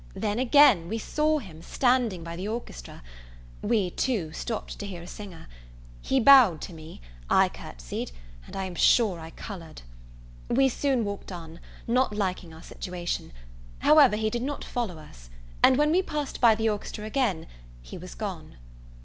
Then again we saw him, standing by the orchestra. We, too, stopt to hear a singer. He bowed to me; I courtesied, and I am sure I coloured. We soon walked on, not liking our situation; however, he did not follow us; and when we passed by the orchestra again, he was gone.